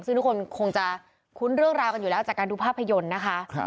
ซึ่งทุกคนคงจะคุ้นเรื่องราวกันอยู่แล้วจากการดูภาพยนตร์นะคะ